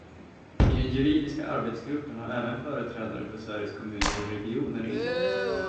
I den juridiska arbetsgruppen har även företrädare för Sveriges kommuner och regioner ingått.